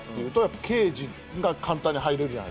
刑事が簡単に入れる。